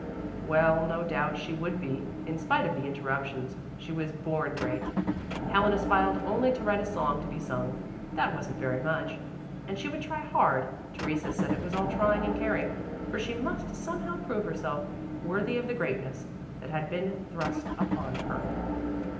Well, no doubt she would be, in spite of the "interruptions"; she was "born great." Helen aspired only to write a song to be sung. That wasn't very much, and she would try hard Theresa said it was all trying and caring for she must somehow prove herself worthy of the greatness that had been "thrust upon" her.